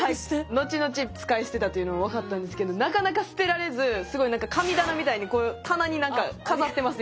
後々使い捨てだというのは分かったんですけどなかなか捨てられずすごいなんか神棚みたいにこう棚になんか飾ってます